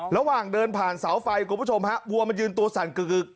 ระหว่างเดินผ่านเสาไฟหัวพระชมวัวมันยืนตัวสั่น